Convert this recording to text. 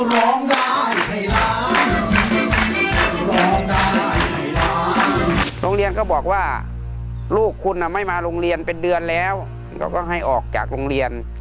โรงเรียนก็บอกว่าลูกคุณไม่มาโรงเรียนเป็นเดือนแล้วก็ให้ออกจากโรงเรียน